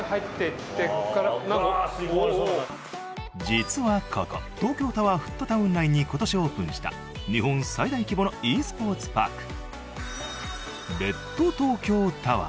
実はここ東京タワーフットタウン内に今年オープンした日本最大規模のｅスポーツパーク「ＲＥＤ°ＴＯＫＹＯＴＯＷＥＲ」